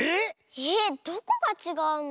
えっどこがちがうの？